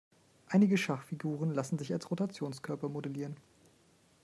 Einige Schachfiguren lassen sich als Rotationskörper modellieren.